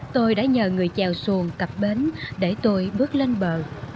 tôi đã nhờ người trèo xuồng cặp bến để tôi bước lên bờ